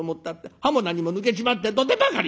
歯も何も抜けちまって土手ばかり」。